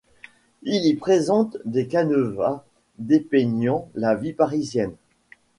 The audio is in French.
Il y présente des canevas dépeignant la vie parisienne.